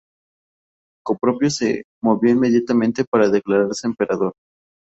Procopio se movió inmediatamente para declararse emperador.